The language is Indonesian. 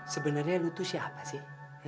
sebenernya lu tuh siapa sih